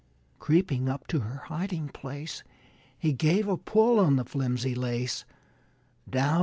Creeping up to her hiding place, He gave a pull on the flimsy lace.